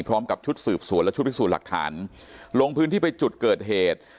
พร้อมกับชุดสืบสวนและชุดพิสูจน์หลักฐานลงพื้นที่ไปจุดเกิดเหตุ